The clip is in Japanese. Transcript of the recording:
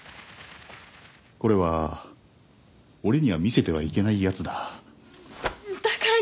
これは俺には見せてはいけないやつだぁ。